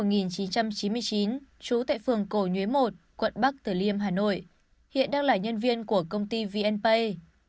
năm một nghìn chín trăm chín mươi chín trú tại phường cầu nhuế i quận bắc tử liêm hà nội hiện đang là nhân viên của công ty vnpay